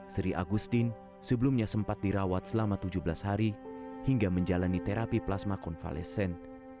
sri agustin sebelumnya sempat dirawat selama tujuh belas hari hingga menjalani terapi plasma konvalesen